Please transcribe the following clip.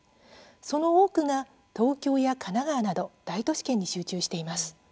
その多くが東京や神奈川など大都市圏に集中しています。